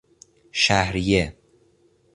شهریه